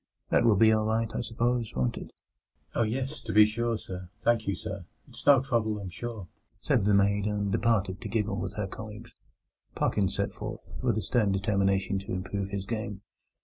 That will be all right, I suppose, won't it?" "Oh yes, to be sure, sir. Thank you, sir. It's no trouble, I'm sure," said the maid, and departed to giggle with her colleagues. Parkins set forth, with a stern determination to improve his game.